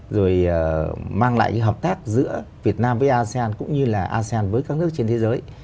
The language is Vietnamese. rồi mang lại hợp tác giữa việt nam với asean cũng như là asean với các nước trên thế giới